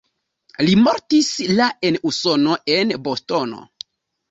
Li mortis la en Usono en Bostono.